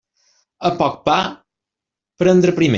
A poc pa, prendre primer.